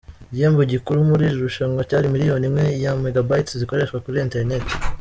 Igihembo gikuru muri iri rushanwa cyari miliyoni imwe ya Megabytes zikoreshwa kuri internet.